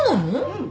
うん。